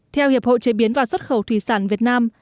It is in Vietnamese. theo hiệp hội chế biến và xuất khẩu thủy sản việt nam